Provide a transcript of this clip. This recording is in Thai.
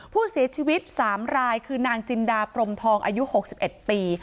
ผู้เสียชีวิต๓รายคือนางจินดาพรมทองอายุ๖๑ปี